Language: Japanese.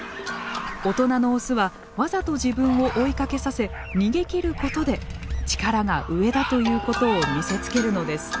大人のオスはわざと自分を追いかけさせ逃げきることで力が上だということを見せつけるのです。